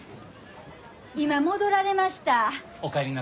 今戻られました。